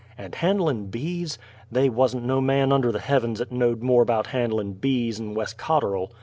And handlin' bees! They wuzn't no man under the heavens 'at knowed more 'bout handlin' bees'n Wes Cotterl!